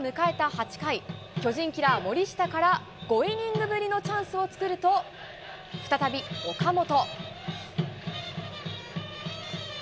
８回、巨人キラー、森下から５イニングぶりのチャンスを作ると、再び、岡本。